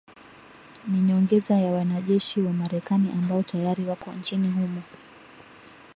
Ni nyongeza ya wanajeshi wa Marekani ambao tayari wako nchini humo.